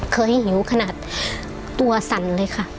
เคยหิวขนาดตัวสั่นเลยค่ะ